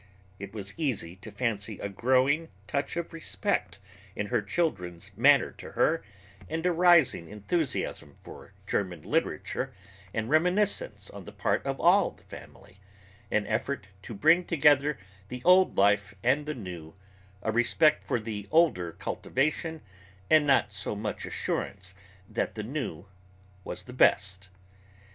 It was easy to fancy a growing touch of respect in her children's manner to her, and a rising enthusiasm for German literature and reminiscence on the part of all the family, an effort to bring together the old life and the new, a respect for the older cultivation, and not quite so much assurance that the new was the best.